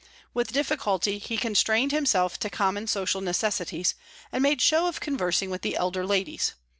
With difficulty he constrained himself to common social necessities, and made show of conversing with the elder ladies.